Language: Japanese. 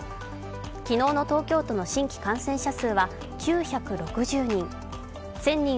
昨日の東京都の新規感染者数は９６０人。